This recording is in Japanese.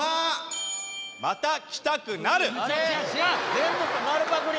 全部丸パクり！